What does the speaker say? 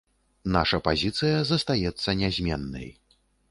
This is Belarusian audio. Наша пазіцыя застаецца нязменнай.